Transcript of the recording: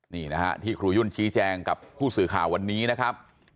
นี่นะฮะที่ครูยุ่นชี้แจงกับผู้สื่อข่าววันนี้นะครับ